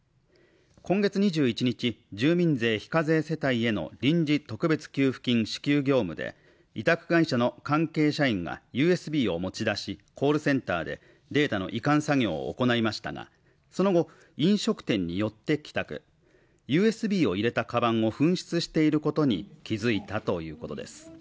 今月２１日住民税非課税世帯への臨時特別給付金支給業務で委託会社の関係社員がＵＳＢを持ち出しコールセンターでデータの移管作業を行いましたがその後飲食店に寄って帰宅ＵＳＢを入れたかばんを紛失していることに気付いたということです